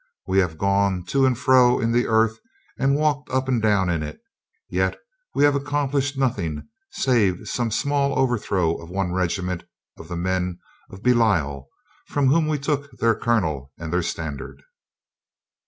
We have gone to and fro in the earth, and walked up and down in it, yet we have accomplished nothing save some small overthrow of one regiment of the men of Belial, from whom we took their colonel and their stand ard."